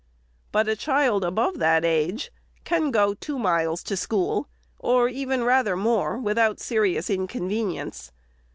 But a child above that age can go two miles to school, or even rather more, with out serious inconvenience.